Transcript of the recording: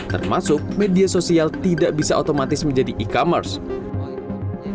termasuk media sosial tidak bisa otomatis menjadi e commerce dan media sosial tidak bisa menjadi e commerce